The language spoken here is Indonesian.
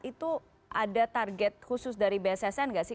itu ada target khusus dari bssn nggak sih